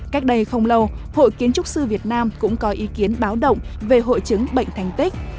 cách đây không lâu hội kiến trúc sư việt nam cũng có ý kiến báo động về hội chứng bệnh thành tích